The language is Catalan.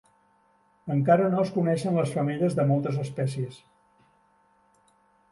Encara no es coneixen les femelles de moltes espècies.